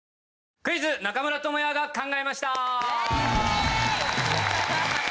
「クイズ中村倫也が考えました」！